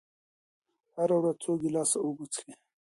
هره ورځ څو ګیلاسه اوبه وڅښئ.